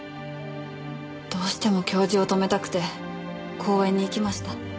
どうしても教授を止めたくて公園に行きました。